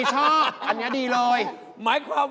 เฮ้ย